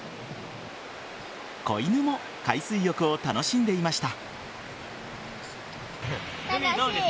子犬も海水浴を楽しんでいました。